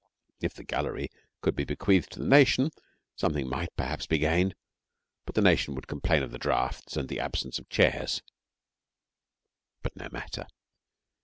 If the gallery could be bequeathed to the nation, something might, perhaps, be gained, but the nation would complain of the draughts and the absence of chairs. But no matter.